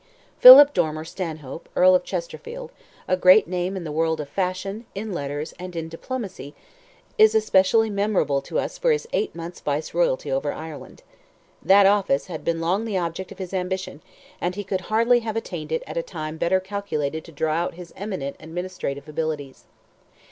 Philip Dormer Stanhope, Earl of Chesterfield, a great name in the world of fashion, in letters, and in diplomacy, is especially memorable to us for his eight months' viceroyalty over Ireland. That office had been long the object of his ambition, and he could hardly have attained it at a time better calculated to draw out his eminent administrative abilities.